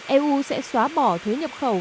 eu sẽ xóa bỏ thuế nhập khẩu